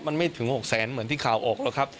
มันไม่ถึง๖แสนเหมือนที่ข่าวออกหรอกครับ